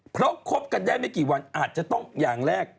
เพราะคบกันได้ไม่กี่วันอาจจะต้องอย่างแรก